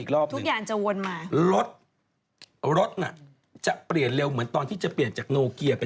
แล้วก็เออเข้าอย่างนี้เลย